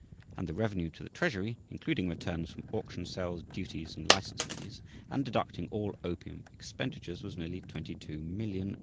And the revenue to the treasury, including returns from auction sales, duties, and license fees, and deducting all "opium expenditures," was nearly $22,000,000 (£4,486,562).